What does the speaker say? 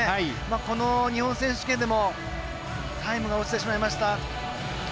この日本選手権でもタイムが落ちてしまいました。